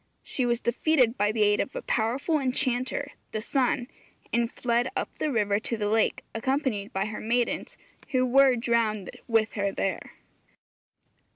She was defeated by the aid of a powerful enchanter (the sun), and fled up the river to the lake, accompanied by her maidens, who were drowned with her there.